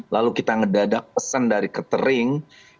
lalu kita ngedadak pesan dari ketering